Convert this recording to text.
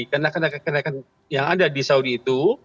karena kekenangan yang ada di saudi itu